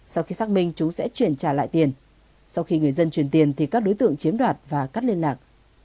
sau khi xác minh chúng sẽ chuyển trả lại tiền sau khi người dân chuyển tiền thì các đối tượng chiếm đoạt và cắt liên lạc